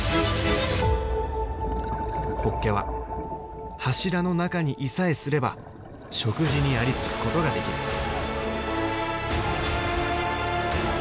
ホッケは柱の中にいさえすれば食事にありつくことができる。